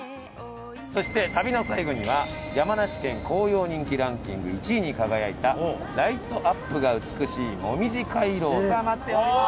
そして旅の最後には山梨県紅葉人気ランキング１位に輝いたライトアップが美しいもみじ回廊が待っております。